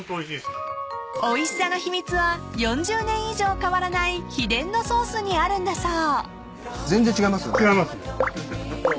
［おいしさの秘密は４０年以上変わらない秘伝のソースにあるんだそう］